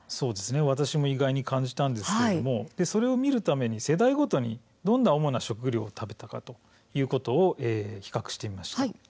私も意外に感じたんですけれども、それを見るために世代ごとに主にどんな食料を食べたのか比較してみました。